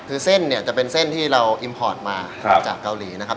คือเส้นเนี่ยจะเป็นเส้นที่เราอิมพอร์ตมาจากเกาหลีนะครับ